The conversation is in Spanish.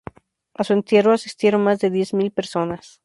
A su entierro asistieron más de diez mil personas.